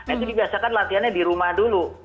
itu dibiasakan latihannya di rumah dulu